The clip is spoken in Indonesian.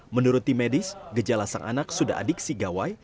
menurut tim medis gejala sang anak sudah adiksi gawai